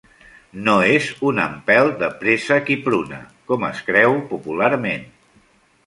No és un empelt de préssec i pruna, com es creu popularment.